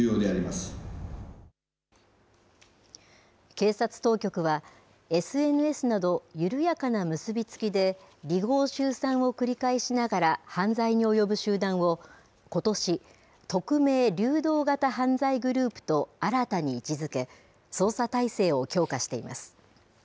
警察当局は、ＳＮＳなど緩やかな結び付きで離合集散を繰り返しながら犯罪に及ぶ集団を、ことし、匿名・流動型犯罪グループと新たに位置づけ、捜査体制を強化しています。